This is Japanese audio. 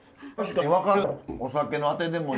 確かに分かる。